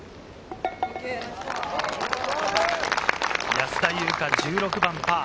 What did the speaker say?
安田祐香、１６番パー。